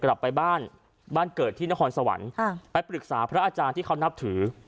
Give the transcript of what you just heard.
กลับไปบ้านบ้านเกิดที่นครสวรรค์ไปปรึกษาพระอาจารย์ที่เขานับถือ